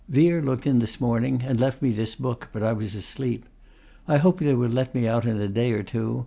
Vere looked in this morning and left me this book, but I was asleep. I hope they will let me out in a day or two.